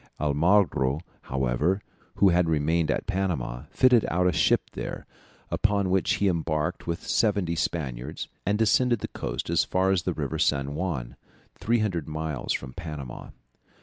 Almagro, however, who had remained at Panama, fitted out a ship there, upon which he embarked with seventy Spaniards, and descended the coast as far as the River San Juan, 300 miles from Panama.